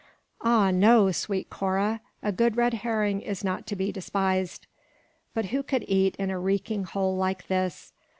Ah no, sweet Cora, a good red herring is not to be despised; but who could eat in a reeking hole like this?